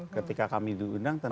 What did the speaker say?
ketika kami diundang tentu